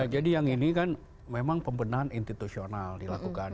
jadi yang ini kan memang pembenahan institusional dilakukan